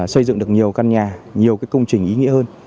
xây dựng được nhiều căn nhà nhiều công trình ý nghĩa hơn